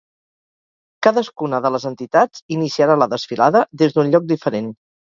Cadascuna de les entitats iniciarà la desfilada des d’un lloc diferent.